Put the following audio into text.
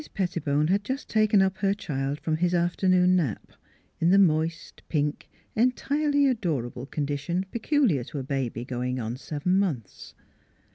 PETTIBONE had just taken up her child from his afternoon nap, in the moist, pink, entirely adorable condition peculiar to a baby going on seven months.